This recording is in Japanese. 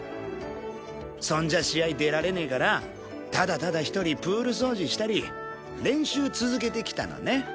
そんじゃ試合出られねえからただただ１人プール掃除したり練習続けてきたのね。